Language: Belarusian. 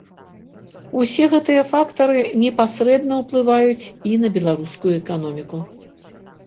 Усе гэтыя фактары непасрэдна ўплываюць і на беларускую эканоміку.